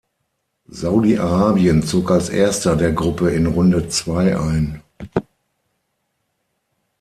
Saudi-Arabien zog als erster der Gruppe in Runde zwei ein.